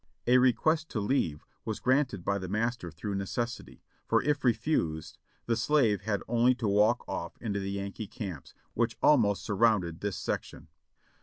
A request to leave was granted by the master through necessity, for if re fused, the slave had only to walk off into the Yankee camps, which almost surrounded this section.